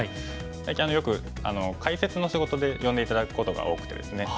最近よく解説の仕事で呼んで頂くことが多くてですね。